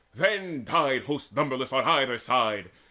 Then died Hosts numberless on either side.